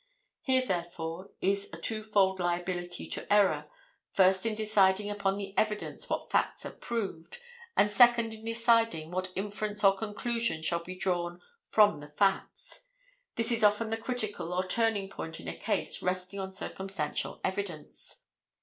Here, therefore, is a two fold liability to error, first, in deciding upon the evidence what facts are proved, and second, in deciding what inference or conclusion shall be drawn from the facts. This is often the critical or turning point in a case resting on circumstantial evidence.